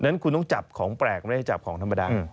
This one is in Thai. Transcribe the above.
งั้นคุณต้องจับของแปลกไม่ได้จับของธรรมดา